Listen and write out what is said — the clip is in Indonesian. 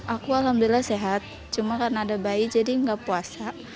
aku alhamdulillah sehat cuma karena ada bayi jadi nggak puasa